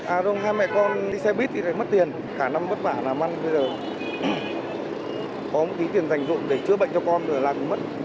à rồi hai mẹ con đi xe buýt thì phải mất tiền cả năm vất vả làm ăn bây giờ có một tí tiền dành dụng để chữa bệnh cho con rồi lại cũng mất